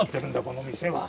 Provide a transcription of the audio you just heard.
この店は。